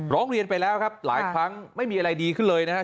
ร้องเรียนไปแล้วครับหลายครั้งไม่มีอะไรดีขึ้นเลยนะครับ